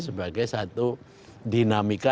sebagai satu dinamika